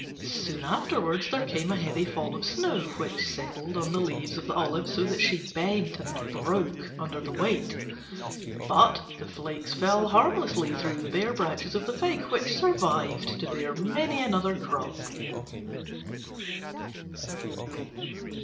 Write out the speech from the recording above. Soon afterwards there came a heavy fall of snow, which settled on the leaves of the Olive so that she bent and broke under the weight; but the flakes fell harmlessly through the bare branches of the Fig, which survived to bear many another crop.